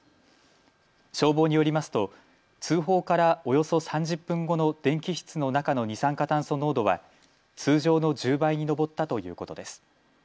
消防によりますと、通報からおよそ３０分後の電気室の中の二酸化炭素濃度は通常の１０倍に上ったということです。